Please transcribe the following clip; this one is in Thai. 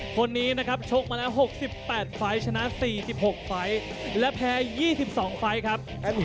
คนนี้นะครับชกมาแล้ว๖๘ไฟล์ชนะ๔๖ไฟล์และแพ้๒๒ไฟล์ครับ